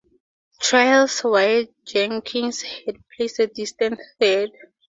Trials while Jenkins had placed a distant third.